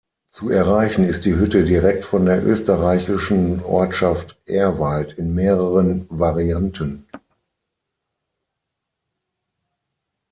Zu erreichen ist die Hütte direkt von der österreichischen Ortschaft Ehrwald in mehreren Varianten.